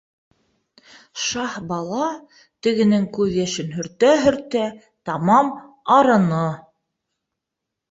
Шаһбала тегенең күҙ йәшен һөртә-һөртә тамам арыны.